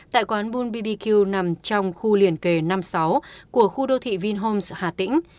tại quán bull bbq nằm trong khu liền kề năm mươi sáu của khu đô thị vinhomes hà tĩnh